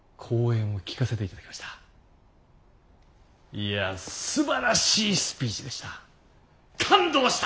いやすばらしいスピーチでした。